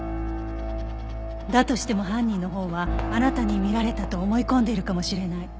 だとしても犯人のほうはあなたに見られたと思い込んでいるかもしれない。